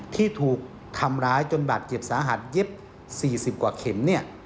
ที่ถูกทำร้ายจนบาดเจ็บสาหัสเย็บ๔๐กว่าเข็ม